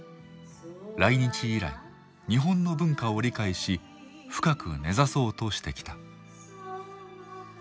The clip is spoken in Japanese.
来日以来日本の文化を理解し深く根ざそうとしてきた。